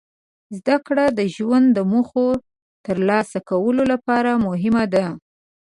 زدهکړه د ژوند د موخو ترلاسه کولو لپاره مهمه ده.